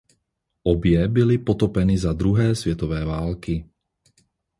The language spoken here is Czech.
Obě byly potopeny za druhé světové války.